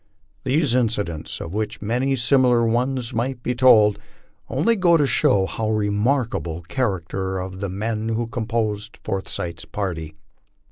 These incidents, of which many similar ones might be told, only go to show the remarkable character of the men who composed Forsyth's party.